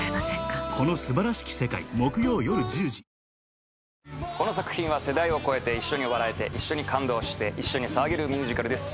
わかるぞこの作品は世代を超えて一緒に笑えて一緒に感動して一緒に騒げるミュージカルです。